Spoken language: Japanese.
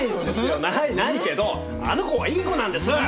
ないないけどあの子はいい子なんです！